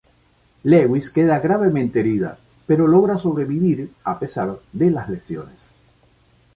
Lewis queda gravemente herida, pero logra sobrevivir a pesar de las lesiones.